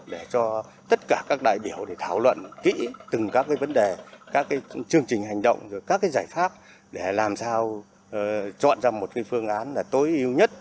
để cho tất cả các đại biểu thảo luận kỹ từng các vấn đề các chương trình hành động các giải pháp để làm sao chọn ra một phương án tối ưu nhất